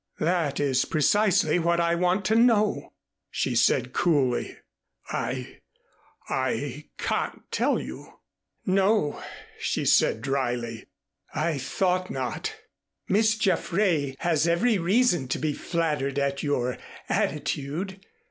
"That is precisely what I want to know," she said coolly. "I I can't tell you." "No," she said dryly. "I thought not. Miss Jaffray has every reason to be flattered at your attitude.